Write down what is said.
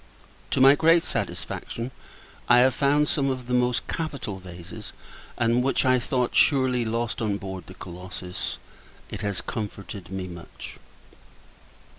To my great satisfaction, I have found some of the most capital vases; and which I thought, surely, lost on board the Colossus. It has comforted me much.